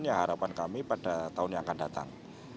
dan ya harapan kami pada tahun yang akan datang dua ribu dua puluh